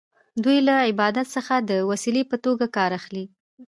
دوی له عبادت څخه د وسیلې په توګه کار اخلي.